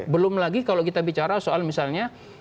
belum lagi kalau kita bicara soal misalnya